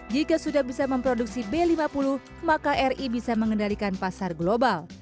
jika sudah bisa memproduksi b lima puluh maka ri bisa mengendalikan pasar global